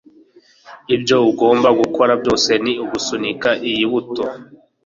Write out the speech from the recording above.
ibyo ugomba gukora byose ni ugusunika iyi buto